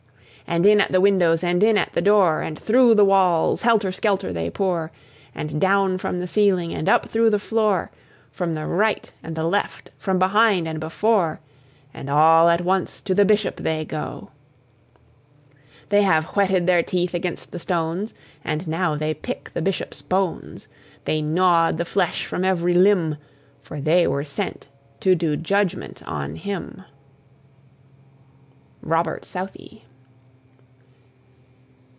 And in at the windows and in at the door, And through the walls, helter skelter they pour, And down from the ceiling and up through the floor, From the right and the left, from behind and before, And all at once to the Bishop they go. They have whetted their teeth against the stones; And now they pick the Bishop's bones: They gnawed the flesh from every limb; For they were sent to do judgment on him! ROBERT SOUTHEY.